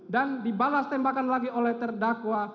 dan dibalas tembakan lagi oleh terdakwa